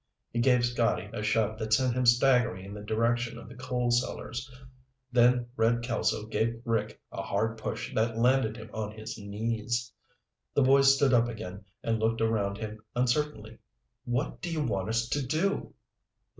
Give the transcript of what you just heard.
He gave Scotty a shove that sent him staggering in the direction of the coal cellars. Then Red Kelso gave Rick a hard push that landed him on his knees. The boy stood up again and looked around him uncertainly. "What do you want us to do?"